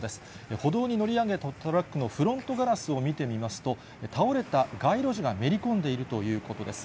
歩道に乗り上げたトラックのフロントガラスを見てみますと、倒れた街路樹がめり込んでいるということです。